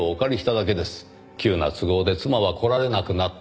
「急な都合で妻は来られなくなった」